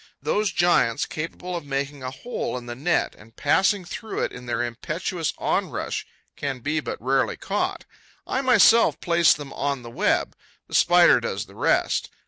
Those giants, capable of making a hole in the net and passing through it in their impetuous onrush, can be but rarely caught. I myself place them on the web. The Spider does the rest.